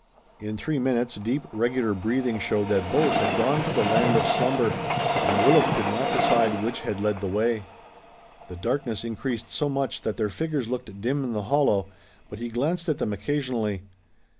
In three minutes deep regular breathing showed that both had gone to the land of slumber, and Willet could not decide which had led the way. The darkness increased so much that their figures looked dim in the hollow, but he glanced at them occasionally.